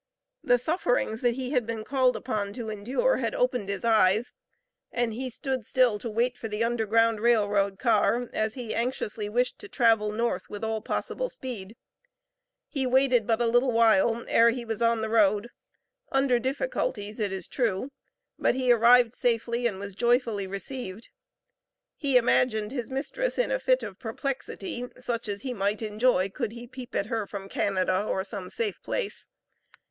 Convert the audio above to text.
The sufferings that he had been called upon to endure had opened his eyes, and he stood still to wait for the Underground Rail Road car, as he anxiously wished to travel north, with all possible speed. He waited but a little while, ere he was on the road, under difficulties it is true, but he arrived safely and was joyfully received. He imagined his mistress in a fit of perplexity, such as he might enjoy, could he peep at her from Canada, or some safe place.